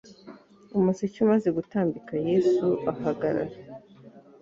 umuseke umaze gutambika yesu ahagarara